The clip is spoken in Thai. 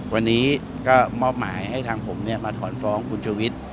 วันนี้ก็มอบหมายให้ทางผมมาถอนฟ้องคุณชุวิต